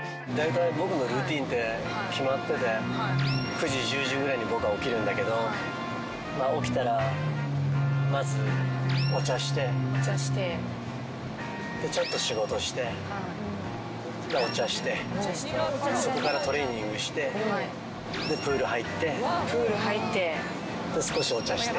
９時１０時ぐらいに僕は起きるんだけど起きたらまずお茶してちょっと仕事してお茶してそこからトレーニングしてプール入ってで少しお茶して。